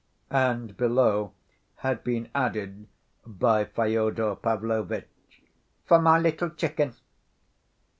And below had been added by Fyodor Pavlovitch, "For my little chicken."